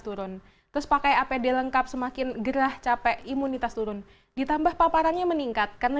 turun terus pakai apd lengkap semakin gerah capek imunitas turun ditambah paparannya meningkat karena